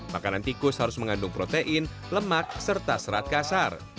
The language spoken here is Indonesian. makanan tikus harus mengandung protein lemak serta serat kasar